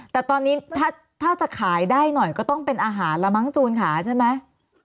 แต่ตอนนี้ถ้าจะขายได้หน่อยก็ต้องเป็นอาหารแล้วมั้งจูนค่ะใช่ไหม